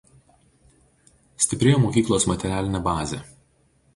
Stiprėjo mokyklos materialinė bazė.